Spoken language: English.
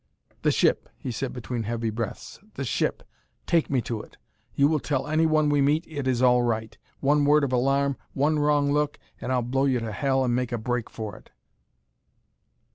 "The ship!" he said between heavy breaths, " the ship! Take me to it! You will tell anyone we meet it is all right. One word of alarm, one wrong look, and I'll blow you to hell and make a break for it!"